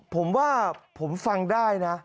ผมว่าผมฟังได้นะ